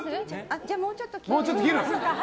じゃあ、もうちょっと切ります。